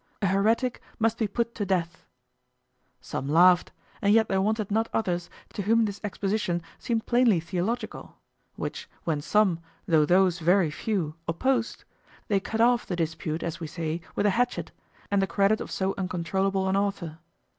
"A heretic must be put to death." Some laughed, and yet there wanted not others to whom this exposition seemed plainly theological; which, when some, though those very few, opposed, they cut off the dispute, as we say, with a hatchet, and the credit of so uncontrollable an author.